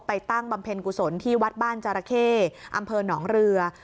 ตั้งบำเพ็ญกุศลที่วัดบ้านจาระเข้อำเภอหนองเรือ